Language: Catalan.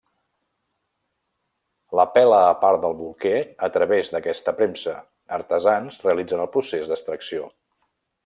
La pela a part del bolquer a través d'aquesta premsa, artesans realitzen el procés d'extracció.